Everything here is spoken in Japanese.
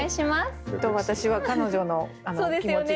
私は彼女の気持ちで。